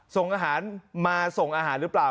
ส่งอาหารมาส่งอาหารหรือเปล่า